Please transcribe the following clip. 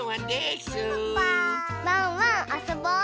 ワンワンあそぼう！